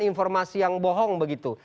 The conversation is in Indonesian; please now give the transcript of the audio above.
informasi yang bohong begitu